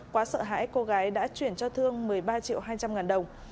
quá sợ hãi cô gái đã chuyển cho thương một mươi ba triệu hai trăm linh ngàn đồng